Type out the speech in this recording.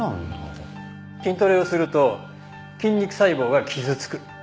筋トレをすると筋肉細胞が傷つく。